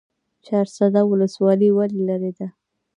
چهارسده ولسوالۍ ولې لیرې ده؟